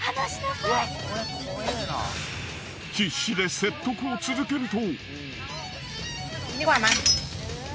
必死で説得を続けると。